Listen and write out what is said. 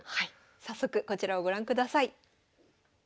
早速こちらをご覧ください。